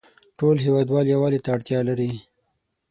ټول هیوادوال یووالې ته اړتیا لری